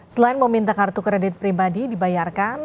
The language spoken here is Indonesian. selain meminta kartu kredit pribadi dibayarkan